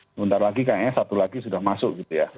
sebentar lagi kayaknya satu lagi sudah masuk